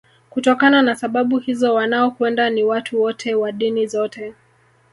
Kutokana na sababu hizo wanaokwenda ni watu wote wa dini zote